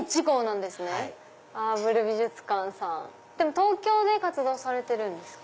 東京で活動されてるんですか？